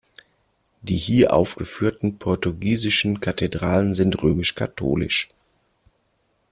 Die hier aufgeführten portugiesischen Kathedralen sind römisch-katholisch.